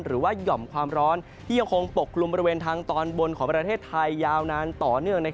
หรือว่าหย่อมความร้อนที่ยังคงปกลุ่มบริเวณทางตอนบนของประเทศไทยยาวนานต่อเนื่อง